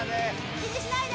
気にしないで。